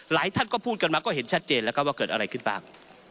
ท่านก็พูดกันมาก็เห็นชัดเจนแล้วครับว่าเกิดอะไรขึ้นบ้าง